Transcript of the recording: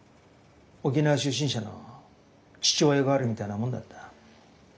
沖縄出身者の父親代わりみたいなもんだった。